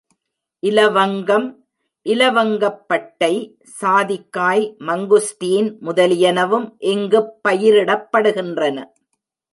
இலவங்கம், இலவங்கப்பட்டை, சாதிக்காய், mangosteen முதலியனவும் இங்குப் பயிரிடப்படுகின்றன.